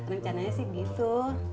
rencananya sih gitu